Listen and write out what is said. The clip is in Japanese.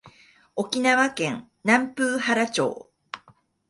沖縄県南風原町